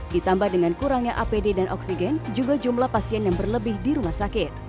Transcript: ditambah dengan kurangnya apd dan oksigen juga jumlah pasien yang berlebih di rumah sakit